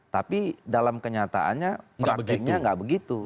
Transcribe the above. tapi dalam kenyataannya praktiknya nggak begitu